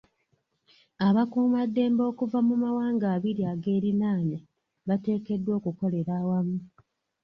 Abakuumaddembe okuva mu mawanga abiri ageeriraanye bateekeddwa okukolera awamu.